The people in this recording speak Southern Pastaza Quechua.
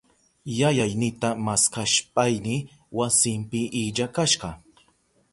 Yayaynita maskashpayni wasinpi illa kashka.